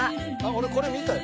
「俺これ見たよ」